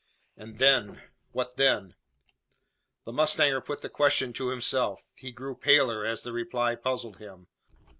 And then what then? The mustanger put the question to himself. He grew paler, as the reply puzzled him.